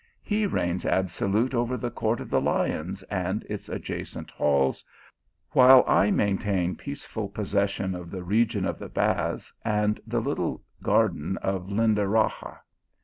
He reigns absolute over the Court of the Lions and its adjacent halls, while I maintain peaceful possession of the region of the baths and the little garden of Lindaraxa.